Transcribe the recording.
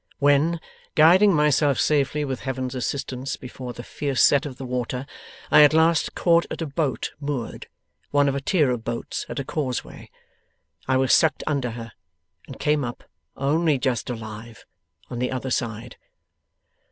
When, guiding myself safely with Heaven's assistance before the fierce set of the water, I at last caught at a boat moored, one of a tier of boats at a causeway, I was sucked under her, and came up, only just alive, on the other side.